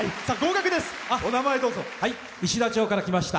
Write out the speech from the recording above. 石田町から来ました